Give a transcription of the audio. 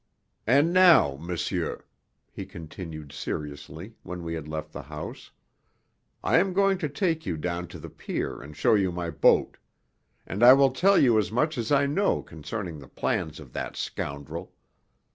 "And now, monsieur," he continued seriously, when we had left the house, "I am going to take you down to the pier and show you my boat. And I will tell you as much as I know concerning the plans of that scoundrel.